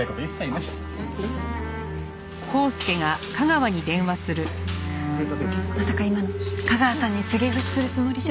まさか今の架川さんに告げ口するつもりじゃ。